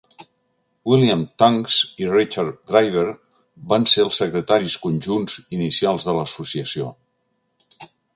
William Tunks i Richard Driver van ser els secretaris conjunts inicials de l'associació.